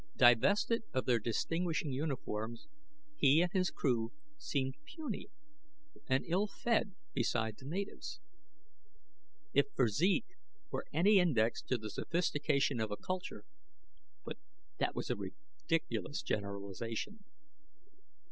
Divested of their distinguishing uniforms, he and his crew seemed puny and ill fed beside the natives. If physique were any index to the sophistication of a culture but that was a ridiculous generalization!